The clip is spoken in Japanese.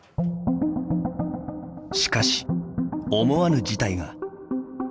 しかし、思わぬ事態が。